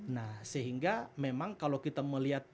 nah sehingga memang kalau kita melihat